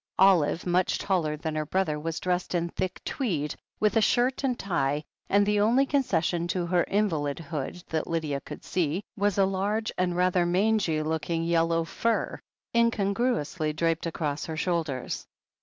Olive, much taller than her brother, was dressed in thick tweed, with a shirt and tie, and the only conces sion to her invalidhood that Lydia could see, was a large and rather mangy looking yellow fur incongru ously draped across her shoulders.